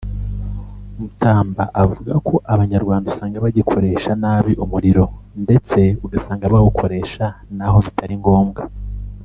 Mutamba avuga ko Abanyarwanda usanga bagikoresha nabi umuriro ndetse ugasanga bawukoresha naho bitari ngombwa